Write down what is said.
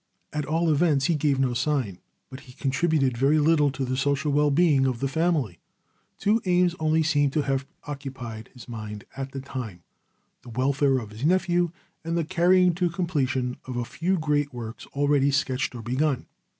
At all events he gave no sign. But he contributed very little to the social well being of the family. Two aims only seem to have occupied his mind at this time: the welfare of his nephew, and the carrying to completion of a few great works already sketched or begun.